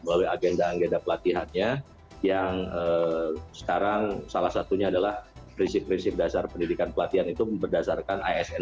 melalui agenda agenda pelatihannya yang sekarang salah satunya adalah prinsip prinsip dasar pendidikan pelatihan itu berdasarkan asn